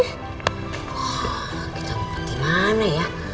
wah kita ngumpet dimana ya